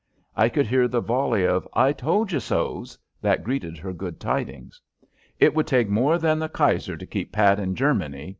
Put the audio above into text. I could hear the volley of "I told you so's" that greeted her good tidings. "It would take more than the Kaiser to keep Pat in Germany!"